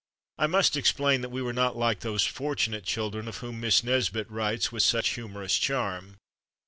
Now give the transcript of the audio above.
I must explain that we were not like those fortunate children of whom Miss Nesbit writes with such humorous charm.